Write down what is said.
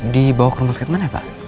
dibawa ke rumah sakit mana ya pak